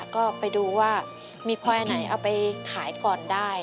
ก็ไปดูว่ามีพลอยไหนเอาไปขายก่อนได้